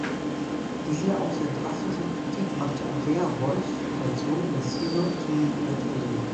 Diese auch sehr drastische Kritik machte Andrea Wolfs Situation in der Szene zunehmend unerträglich.